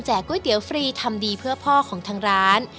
ก๋วยเตี๋ยวฟรีทำดีเพื่อพ่อของทางร้าน